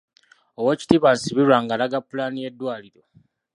Owekitiibwa Nsibirwa ng’alaga pulaani y’eddwaliro.